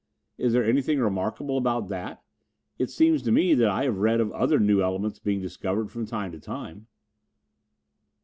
Is there anything remarkable about that? It seems to me that I have read of other new elements being discovered from time to time."